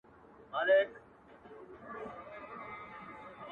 خو د سندرو په محل کي به دي ياده لرم ـ